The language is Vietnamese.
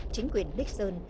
chính quyền nixon